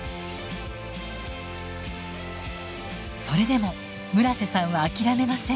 それでも村瀬さんは諦めません。